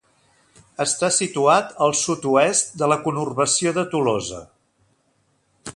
Està situat al sud-oest de la conurbació de Tolosa.